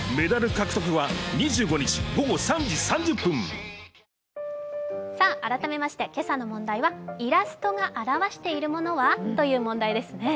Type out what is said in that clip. フラミンゴ改めまして今朝の問題は、イラストが表しているものは？という問題です。